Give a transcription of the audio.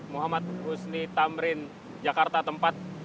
muhammad husni tamrin jakarta tempat